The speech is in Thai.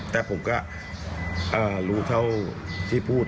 แต่ผมก็รู้เท่าที่พูด